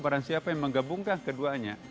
barang siapa yang menggabungkan keduanya